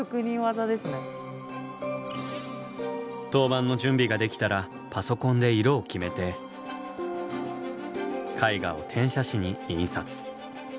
陶板の準備ができたらパソコンで色を決めて絵画を転写紙に印刷。